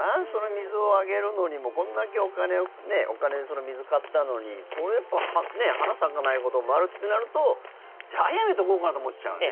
水をあげるのにもこんだけお金お金でその水買ったのに花咲かないこともあるってなるとじゃあ、やめとこうかなと思っちゃうね。